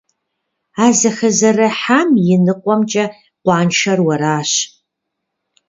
А зэхэзэрыхьам и ныкъуэмкӀэ къуаншэр уэращ.